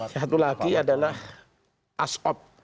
satu lagi adalah asop